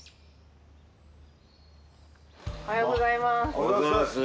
おはようございます。